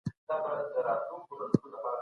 خصوصي سکتور نوي تولیدات بازار ته وړاندي کړل.